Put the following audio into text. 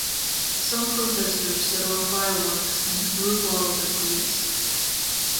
Some protesters set off fireworks and threw bottles at police.